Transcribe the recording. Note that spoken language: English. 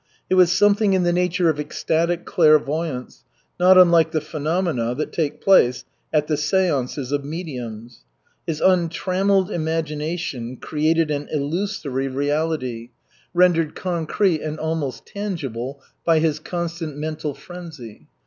It was something in the nature of ecstatic clairvoyance, not unlike the phenomena that take place at the seances of mediums. His untrammeled imagination created an illusory reality, rendered concrete and almost tangible by his constant mental frenzy.